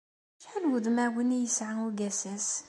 Acḥal n wudmawen ay yesɛa ugasas?